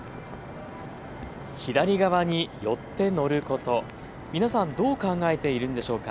左側に寄って乗ること皆さん、どう考えているんでしょうか。